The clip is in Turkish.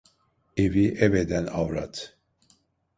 Evi ev eden avrat.